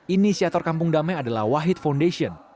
inisiator kampung damai adalah wahid foundation